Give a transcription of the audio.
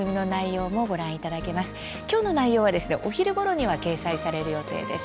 今回の番組の内容はお昼ごろには掲載する予定です。